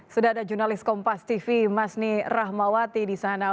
sudah ada jurnalis kompas tv masni rahmawati di sana